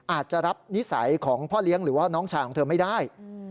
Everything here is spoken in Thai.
อาจจะรับนิสัยของพ่อเลี้ยงหรือว่าน้องชายของเธอไม่ได้